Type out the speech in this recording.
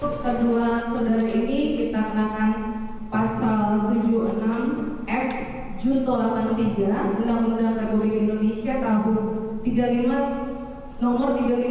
pada tahun tahun dua ribu enam belas sd berubah menjadi sd berubah menjadi sd